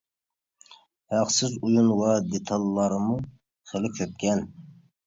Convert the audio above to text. ھەقسىز ئويۇن ۋە دېتاللارمۇ خېلى كۆپكەن.